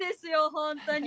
本当に。